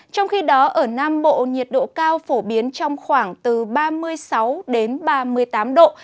trong khi đó ở nam bộ nhiệt độ cao phổ biến trong khoảng từ ba mươi sáu đến ba mươi tám độ